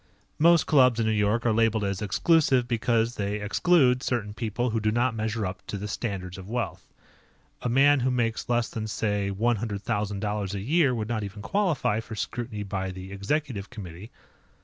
Most clubs in New York are labeled as "exclusive" because they exclude certain people who do not measure up to their standards of wealth. A man who makes less than, say, one hundred thousand dollars a year would not even qualify for scrutiny by the Executive Committee.